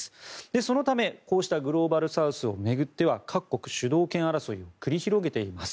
そのため、こうしたグローバルサウスを巡っては各国、主導権争いを繰り広げています。